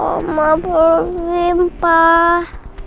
obang belum pulang pak